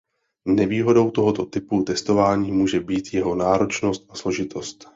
Nevýhodou tohoto typu testování může být jeho náročnost a složitost.